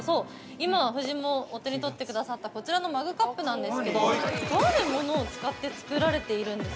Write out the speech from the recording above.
今夫人もお手に取ってくださったこちらのマグカップなんですけどとあるものを使って作られているんです。